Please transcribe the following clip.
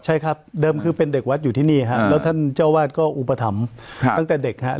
ใช่ครับเดิมคือเป็นเด็กวัดอยู่ที่นี่ครับแล้วท่านเจ้าวาดก็อุปถัมภ์ตั้งแต่เด็กครับ